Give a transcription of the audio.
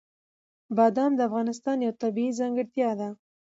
بادام د افغانستان یوه طبیعي ځانګړتیا ده.